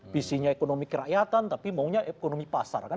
visinya ekonomi kerakyatan tapi maunya ekonomi pasar kan